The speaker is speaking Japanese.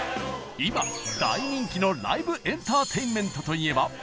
今大人気のライブエンターテインメントといえば？